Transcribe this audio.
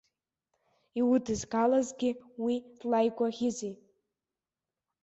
Иудызгалазгьы уи злаигәаӷьызеи?